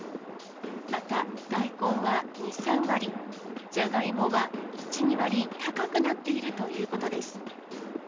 また、大根は２、３割、じゃがいもは１、２割高くなっているということです。